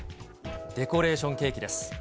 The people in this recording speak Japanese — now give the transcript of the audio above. デコレーションケーキです。